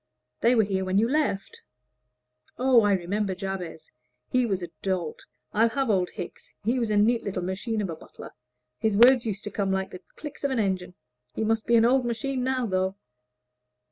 They were here when you left." "Oh, I remember Jabez he was a dolt. I'll have old Hickes. He was a neat little machine of a butler; his words used to come like the clicks of an engine. He must be an old machine now, though."